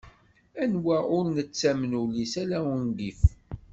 Anwa ur nettamen ul-is ala ungif.